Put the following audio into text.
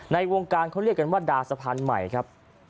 ในวงการเขาเรียกกันว่าดาสะพานใหม่ครับ